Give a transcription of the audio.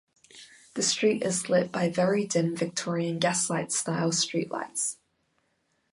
The street is lit by very dim Victorian gaslight-style streetlights.